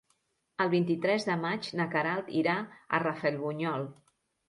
El vint-i-tres de maig na Queralt irà a Rafelbunyol.